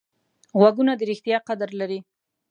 غوږونه د ریښتیا قدر لري